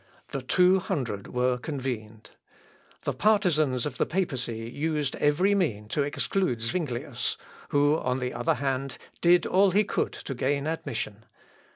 The two hundred were convened. The partisans of the papacy used every mean to exclude Zuinglius, who, on the other hand, did all he could to gain admission.